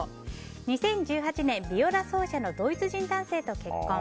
２０１８年ビオラ奏者のドイツ人男性と結婚。